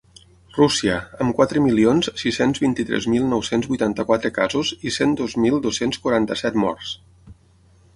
Rússia, amb quatre milions sis-cents vint-i-tres mil nou-cents vuitanta-quatre casos i cent dos mil dos-cents quaranta-set morts.